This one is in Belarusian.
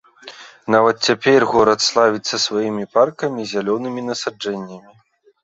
Нават цяпер горад славіцца сваімі паркамі і зялёнымі насаджэннямі.